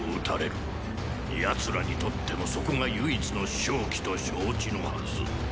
奴らにとってもそこが唯一の勝機と承知のはず。